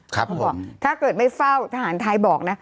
เขาบอกถ้าเกิดไม่เฝ้าทหารไทยบอกนะ